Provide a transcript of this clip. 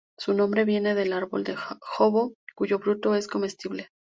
Su nombre viene del árbol del Jobo cuyo fruto es comestible.